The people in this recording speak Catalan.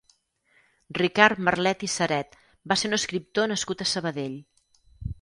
Ricard Marlet i Saret va ser un escriptor nascut a Sabadell.